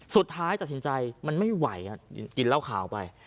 สุดท้ายตัดสินใจมันไม่ไหวกินเหล้าขาวไป